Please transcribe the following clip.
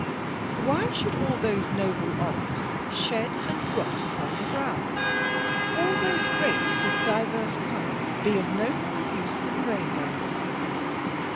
"Why should all those noble olives shed, and rot upon the ground, all those grapes of divers colours be of no more use than rainbows?